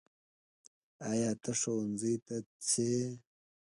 ایا ته ښؤونځي ته څې؟